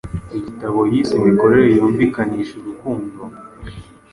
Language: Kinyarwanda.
igitabo yise imikorere yumvikanisha urukundo